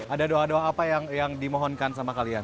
ada doa doa apa yang dimohonkan sama kalian